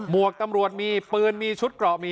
วกตำรวจมีปืนมีชุดเกราะมี